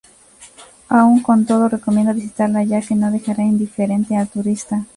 Aun con todo recomiendo visitarla, ya que no dejará indiferente al turista.